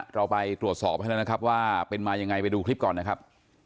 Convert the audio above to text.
เราไปตรวจสอบให้แล้วนะครับว่าเป็นมายังไงไปดูคลิปก่อนนะครับ